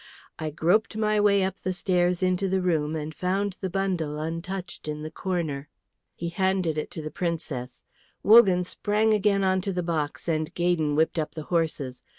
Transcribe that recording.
"I groped my way up the stairs into the room and found the bundle untouched in the corner." He handed it to the Princess; Wogan sprang again onto the box, and Gaydon whipped up the horses.